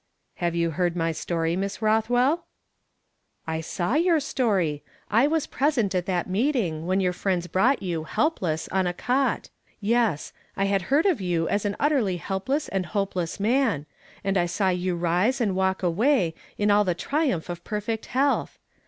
" Have you heard my story, ^Miss Kothwell ?" "I saw your story. I Avas present at that meeting, when your friends brought you, helpless, .on a cot. Yes ; I had heard of you as an utterly helpless and hopeless man ; and I saw you rise iind walk away in all the triunq)h of perfect health.